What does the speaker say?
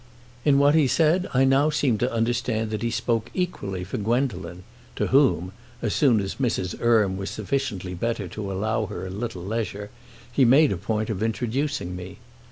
In what he said I now seemed to understand that he spoke equally for Gwendolen, to whom, as soon as Mrs. Erme was sufficiently better to allow her a little leisure, he made a point of introducing me.